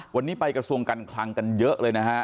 วันนี้ไปกระทรวงการคลังกันเยอะเลยนะฮะ